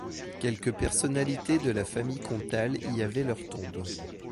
Quelques personnalités de la famille comtale y avaient leur tombe.